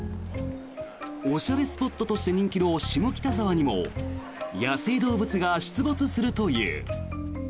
おしゃれスポットとして人気の下北沢にも野生動物が出没するという。